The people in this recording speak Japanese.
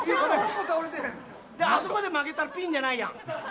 あそこで曲げたらピンじゃないやん。